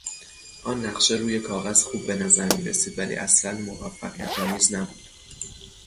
آن نقشه روی کاغذ خوب به نظر میرسید ولی اصلا موفقیت آمیز نبود.